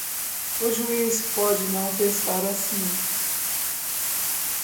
O juiz pode não pensar assim.